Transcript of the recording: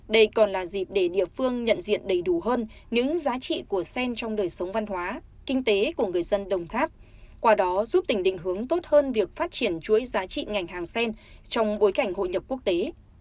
đây còn là dịp để địa phương nhận diện đầy đủ hơn những giá trị của sen trong đời sống văn hóa kinh tế của người dân đồng tháp qua đó giúp tỉnh định hướng tốt hơn việc phát triển chuỗi giá trị ngành hàng sen trong bối cảnh hội nhập quốc tế